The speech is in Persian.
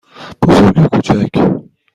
بزرگ یا کوچک؟